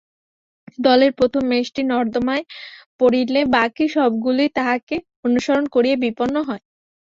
দলের প্রথম মেষটি নর্দমায় পড়িলে বাকী সবগুলি তাহাকে অনুসরণ করিয়া বিপন্ন হয়।